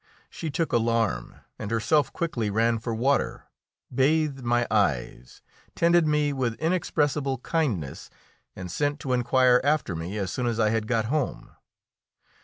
She took alarm, and herself quickly ran for water, bathed my eyes, tended me with inexpressible kindness, and sent to inquire after me as soon as I had got home.